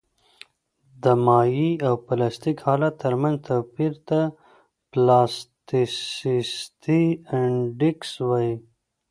د مایع او پلاستیک حالت ترمنځ توپیر ته پلاستیسیتي انډیکس وایي